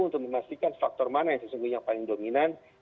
untuk memastikan faktor mana yang sesungguhnya yang paling dominan